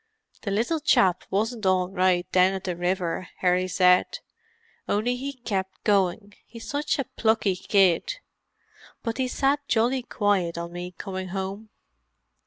"The little chap wasn't all right down at the river," Harry said. "Only he kept going; he's such a plucky kid. But he sat jolly quiet on me coming home."